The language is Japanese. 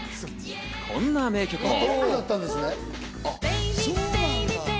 こんな名曲も。